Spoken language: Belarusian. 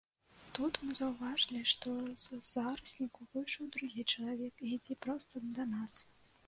Тут мы заўважылі, што з зарасніку выйшаў другі чалавек і ідзе проста да нас.